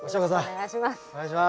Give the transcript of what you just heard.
お願いします。